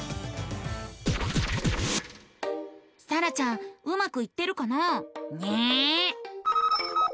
さらちゃんうまくいってるかな？ね。